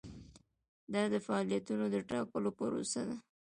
دا د فعالیتونو د ټاکلو پروسه ده.